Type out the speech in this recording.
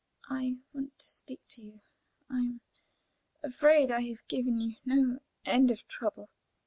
I want to speak to you. I am afraid I have given you no end of trouble."